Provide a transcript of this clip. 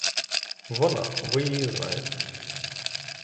Вона — ви її знаєте.